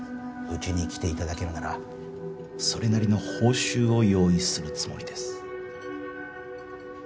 うちに来て頂けるならそれなりの報酬を用意するつもりです。